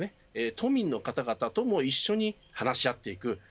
都民の方々とも一緒に話し合っていく。